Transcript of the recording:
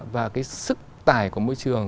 và cái sức tải của môi trường